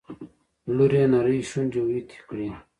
لور يې نرۍ شونډې ويتې کړې.